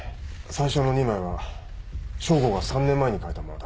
最初の２枚は匠吾が３年前に描いたものだ。